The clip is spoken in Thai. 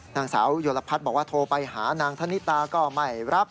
นางสาวโยลพัฒน์บอกว่าโทรไปหานางธนิตาก็ไม่รับ